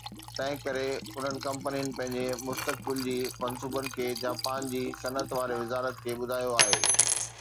تنهن ڪري انهن ڪمپنين پنهنجي مستقبل جي منصوبن کي جاپان جي صنعت واري وزارت کي ٻڌايو آهي